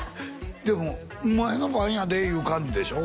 でもお前の番やでいう感じでしょ？